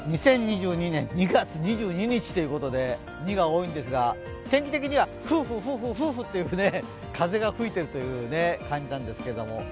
２０２２年２月２２日ということで２が多いんですが天気的にはフーフーフーフーと風が吹いているという感じなんですけども。